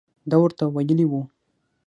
ده ورته ویلي وو.